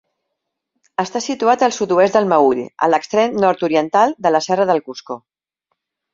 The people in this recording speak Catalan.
Està situat al sud-oest del Meüll, a l'extrem nord-oriental de la Serra del Coscó.